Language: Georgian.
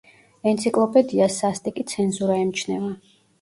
ენციკლოპედიას სასტიკი ცენზურა ემჩნევა.